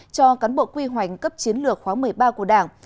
cho cán bộ quy hoành cấp chiến lược khóa một mươi ba của đảng